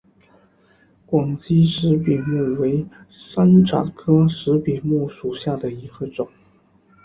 广西石笔木为山茶科石笔木属下的一个种。